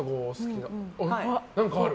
あ、何かある。